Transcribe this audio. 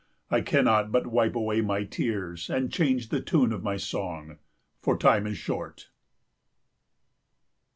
I cannot but wipe away my tears and change the tune of my song. For time is short.